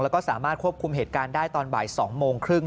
แล้วก็สามารถควบคุมเหตุการณ์ได้ตอนบ่าย๒โมงครึ่ง